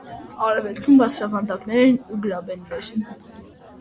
Արևելքում՝ բարձրավանդակներ են ու գրաբեններ։